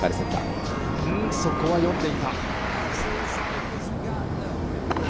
そこは読んでいた。